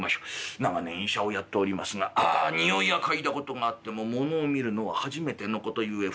長年医者をやっておりますがあ臭いは嗅いだことがあってもものを見るのは初めてのことゆえ蓋」。